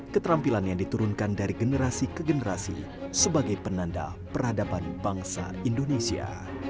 keterampilan yang diturunkan dari generasi ke generasi sebagai penanda peradaban bangsa indonesia